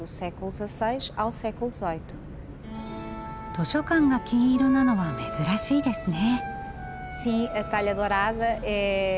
図書館が金色なのは珍しいですね。